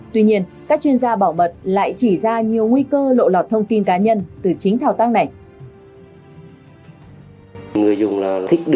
tuy nhiên các chuyên gia bảo mật lại chỉ ra nhiều nguy cơ lộ lọt thông tin cá nhân từ chính thao tác này